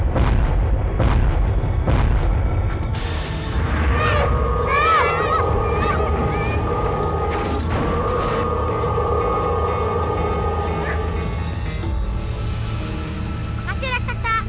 makasih resh raksa